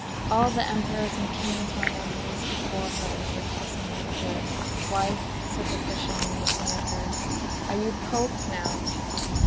All the emperors and kings were on their knees before her, and were kissing her foot. 'Wife,' said the fisherman looking at her, 'are you pope now?